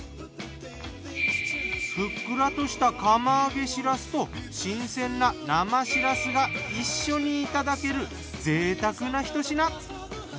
ふっくらとした釜揚げしらすと新鮮な生しらすが一緒にいただける贅沢なひと品。